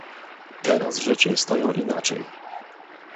"Teraz rzeczy stoją inaczej!"